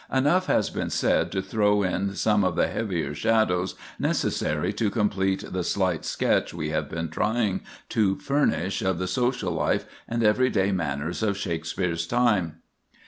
Enough has been said to throw in some of the heavier shadows necessary to complete the slight sketch we have been trying to furnish of the social life and every day manners of Shakspere's time.